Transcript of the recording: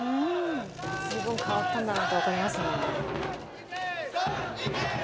すごい、変わったんだなって分かりますね。